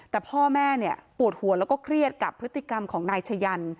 แต่พ่อแม่เนี่ยปวดหัวแล้วก็เครียดกับพฤติกรรมของนายชะยัน